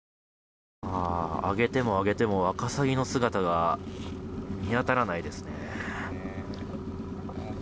上げても上げてもワカサギの姿が見当たらないですね。